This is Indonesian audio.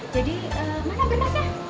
jadi mana berkasnya